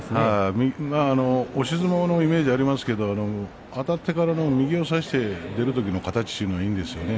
押し相撲のイメージがありますけどあたってから右を差して出るときの形というのがいいですよね。